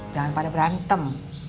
jangan pada berantem